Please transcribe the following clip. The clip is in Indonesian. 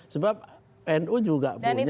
sebab nu juga punya